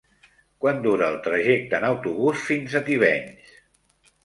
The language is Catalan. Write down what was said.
Quant dura el trajecte en autobús fins a Tivenys?